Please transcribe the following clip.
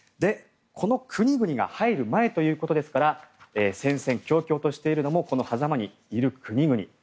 この国々が入る前ということですから戦々恐々としているのもこのはざまにいる国々。